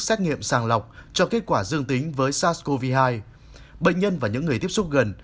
xét nghiệm sàng lọc cho kết quả dương tính với sars cov hai bệnh nhân và những người tiếp xúc gần